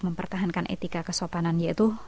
mempertahankan etika kesopanan yaitu